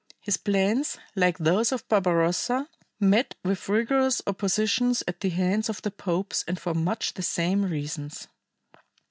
His plans, like those of Barbarossa, met with vigorous opposition at the hands of the popes and for much the same reasons.